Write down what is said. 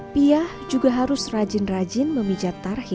piah juga harus rajin rajin memijat tarhi